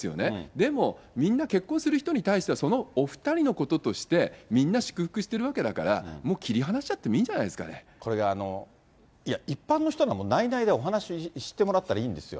でも、みんな結婚する人に対しては、そのお２人のこととして、みんな祝福してるわけだから、もう切り離しちゃってもいいんじゃなこれが、いや、一般の人なら内内でお話ししてもらったらいいんですよ。